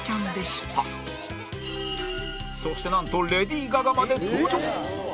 そしてなんとレディー・ガガまで登場